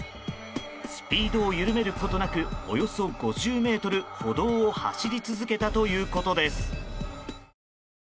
スピードを緩めることなくおよそ５０ｍ歩道を走り続けたということです。